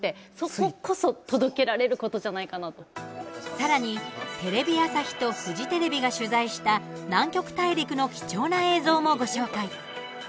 さらに、テレビ朝日とフジテレビが取材した南極大陸の貴重な映像もご紹介。